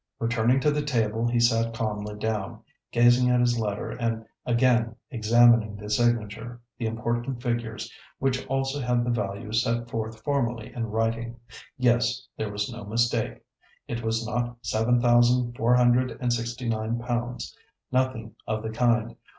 Returning to the table he sat calmly down, gazing at his letter, and again examining the signature, the important figures, which also had the value set forth formally in writing. Yes, there was no mistake. It was not seven thousand four hundred and sixty nine pounds. Nothing of the kind.